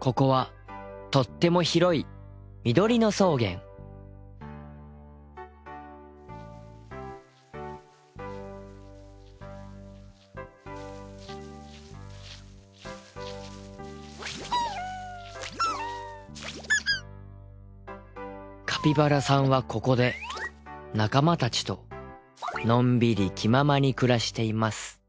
ここはとっても広いミドリノ草原カピバラさんはここで仲間たちとのんびり気ままに暮らしています